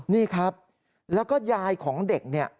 นี่ครับแล้วก็ยายของเด็กเนี่ย